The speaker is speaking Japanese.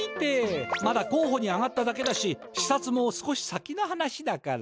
まだこうほにあがっただけだししさつも少し先の話だから。